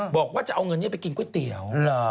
บอกว่าจะเอาเงินนี้ไปกินก๋วยเตี๋ยว